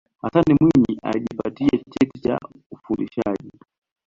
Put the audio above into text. hassan mwinyi alijipatia cheti cha ufundishaji